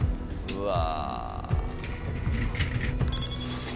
うわ！